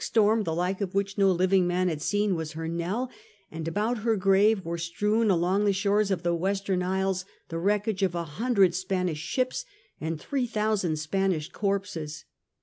storm the like of which no living man had seen was her knell, and about her grave were strewed along the shores of the Western Isles the wreckage of a hundred Spanish ships and three thousand Spanish corpses.